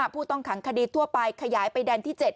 ผู้ต้องขังคดีทั่วไปขยายไปแดนที่๗